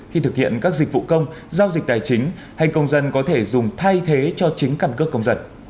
khi thực hiện các dịch vụ công giao dịch tài chính hay công dân có thể dùng thay thế cho chính căn cước công dân